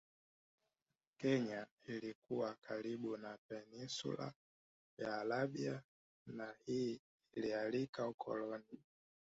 Kenya ilikuwa karibu na Peninsula ya Arabia na hii ilialika ukoloni